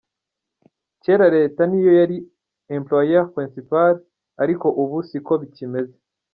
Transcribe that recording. Kera leta niyo yari employeur principal ariko ubu siko bikimeze.